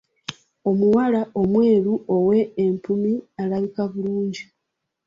Omuwala omweru ow’empumi alabika bulungi.